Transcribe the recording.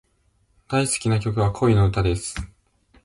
大好きな曲は、恋の歌です。